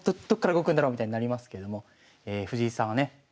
どっから動くんだろうみたいになりますけれども藤井さんはね